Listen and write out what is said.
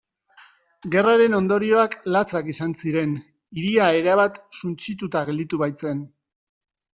Gerraren ondorioak latzak izan ziren hiria erabat suntsituta gelditu baitzen.